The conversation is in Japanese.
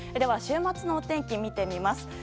週末のお天気を見てみます。